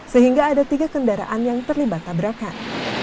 sehingga ada tiga kendaraan yang terlibat tabrakan